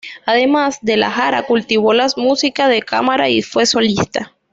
Además, De la Jara cultivó la música de cámara y fue solista.